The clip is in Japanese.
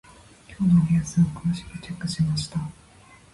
今日のニュースを詳しくチェックしました。